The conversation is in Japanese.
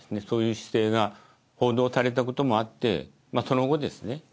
そういう姿勢が報道されたこともあってその後ですね